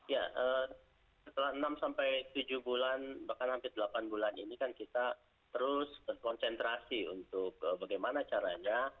ya setelah enam sampai tujuh bulan bahkan hampir delapan bulan ini kan kita terus berkonsentrasi untuk bagaimana caranya